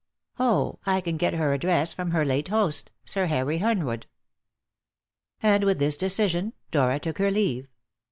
"Oh, I can get her address from her late host, Sir Harry Hernwood." And with this decision Dora took her leave.